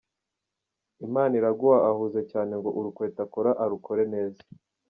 Imaniraguha ahuze cyane ngo urukweto akora arukore neza.